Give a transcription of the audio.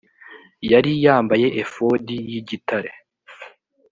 yari yambaye efodi y igitare